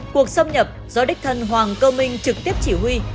cuộc xâm nhập do đích thân hoàng cơ minh trực tiếp chỉ huy